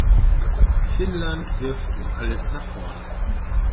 Finnland wirft nun alles nach vorne.